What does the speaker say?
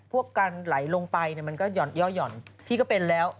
พวกการไหลลงไปมันก็ย่อห่อนพี่ก็เป็นแล้ว